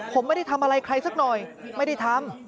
ผมไม่ได้ทำอะไรใครสักหน่อยไม่ได้ทำ